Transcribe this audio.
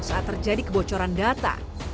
saat terjadi kebocoran data